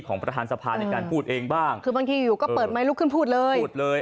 ประธานสภาในการพูดเองบ้างคือบางทีอยู่ก็เปิดไม้ลุกขึ้นพูดเลยพูดเลย